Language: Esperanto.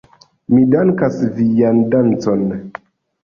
Mi dankas vian donacon.